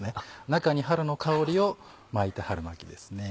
中に春の香りを巻いた春巻きですね。